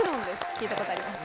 聴いたことあります。